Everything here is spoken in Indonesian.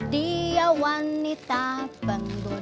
dia wanita penggoda ku